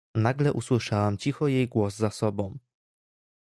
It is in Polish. "Nagle usłyszałem cicho jej głos za sobą."